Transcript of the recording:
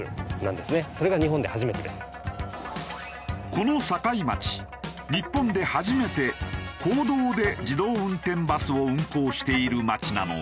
この境町日本で初めて公道で自動運転バスを運行している町なのだ。